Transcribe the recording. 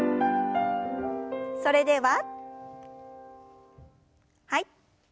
それでははい。